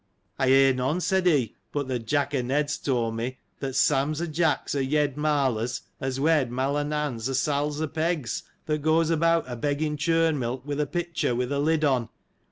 I hear none, said he, but that Jack o' Ned's told me, that Sam's o' Jack's, o' Yed Marler's, has wed Mai o' Nan's, o' Sal's o' Peg's, that goes about a begging churn milk, with a pitcher, with a lid on.